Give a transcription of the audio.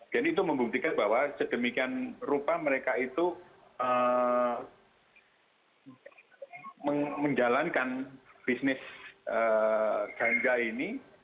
dan itu membuktikan bahwa sedemikian rupa mereka itu menjalankan bisnis ganja ini